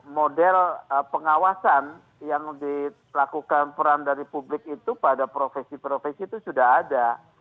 model pengawasan yang dilakukan peran dari publik itu pada profesi profesi itu sudah ada